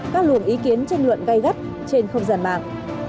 các luồng ý kiến tranh luận gây gắt trên không gian mạng